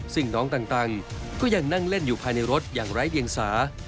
ซึ่งน้องต่างก็ยังนั่งเล่นอยู่ภายในรถอย่างไร้เดียงสา